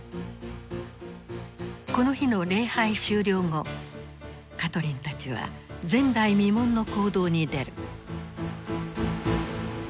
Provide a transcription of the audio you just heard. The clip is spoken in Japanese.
この日の礼拝終了後カトリンたちは前代未聞の行動に出る。